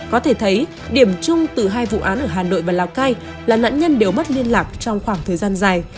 có thể thấy điểm chung từ hai vụ án ở hà nội và lào cai là nạn nhân đều mất liên lạc trong khoảng thời gian dài